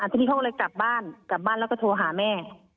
ทีนี้เค้าก็เลยกลับบ้านแล้วก็โทรหาแม่